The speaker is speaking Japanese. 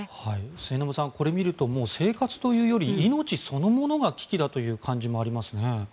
末延さん、これを見るともう生活というより命そのものが危機だという感じもありますね。